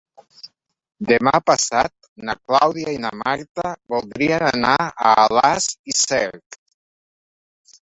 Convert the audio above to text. Demà passat na Clàudia i na Marta voldrien anar a Alàs i Cerc.